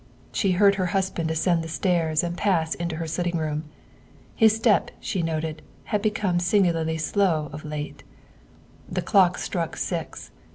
She heard her husband ascend the stairs and pass into her sitting room. His step, she noted, had become singularly slow of late. The clock struck six.